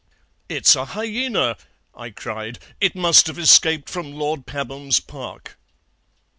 "'It's a hyaena,' I cried; 'it must have escaped from Lord Pabham's Park.'